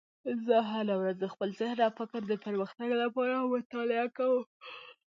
زه هره ورځ د خپل ذهن او فکر د پرمختګ لپاره مطالعه کوم